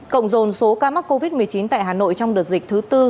cộng dồn số ca mắc covid một mươi chín tại hà nội trong đợt dịch thứ tư